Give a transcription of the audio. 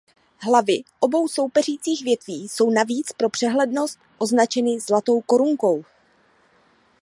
Hlavy obou soupeřících větví jsou navíc pro přehlednost označeny zlatou korunkou.